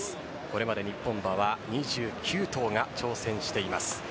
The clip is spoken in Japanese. これまで日本馬は２９頭が挑戦しています。